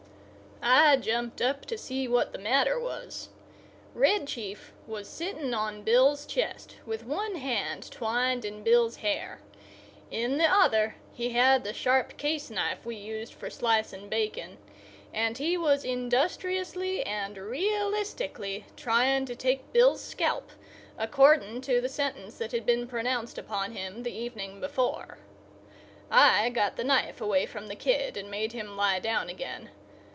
I jumped up to see what the matter was. Red Chief was sitting on Bill's chest, with one hand twined in Bill's hair. In the other he had the sharp case knife we used for slicing bacon; and he was industriously and realistically trying to take Bill's scalp, according to the sentence that had been pronounced upon him the evening before. I got the knife away from the kid and made him lie down again.